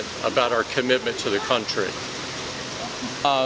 kami berbicara tentang keinginan presiden